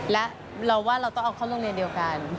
และเราว่าเราต้องเอาเข้าโรงเรียนเดียวกัน